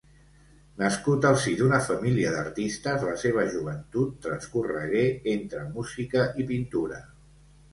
Nascut al si d'una família d'artistes, la seva joventut transcorregué entre música i pintura.